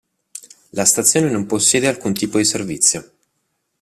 La stazione non possiede alcun tipo di servizio.